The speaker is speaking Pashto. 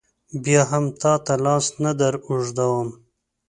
بیا هم تا ته لاس نه در اوږدوم.